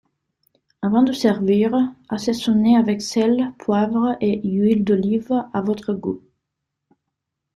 Avant de servir, assaisonner avec sel, poivre et huile d’olive à votre goût.